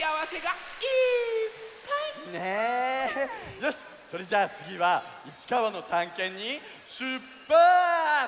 よしっそれじゃあつぎはいちかわのたんけんにしゅっぱつ！